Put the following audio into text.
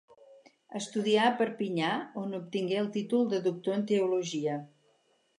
Estudià a Perpinyà, on obtingué el títol de Doctor en Teologia.